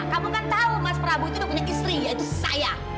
kamu kan tahu mas prabu itu udah punya istri yaitu saya